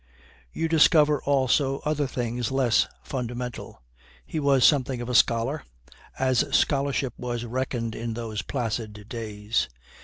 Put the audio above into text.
You discover also other things less fundamental. He was something of a scholar, as scholarship was reckoned in those placid days.